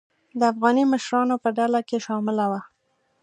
د افغاني مشرانو په ډله کې شامله وه.